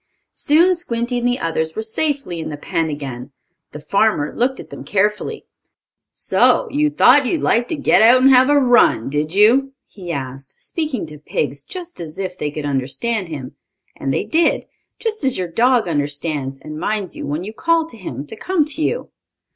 Soon Squinty and the others were safely in the pen again. The farmer looked at them carefully. "So, you thought you'd like to get out and have a run, did you?" he asked, speaking to pigs just as if they could understand him. And they did, just as your dog understands, and minds you when you call to him to come to you.